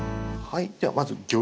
はい。